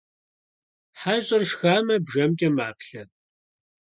ХьэщIэр шхамэ, бжэмкIэ маплъэ